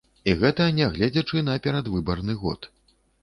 І гэта нягледзячы на перадвыбарны год.